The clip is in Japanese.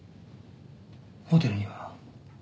ホテルには？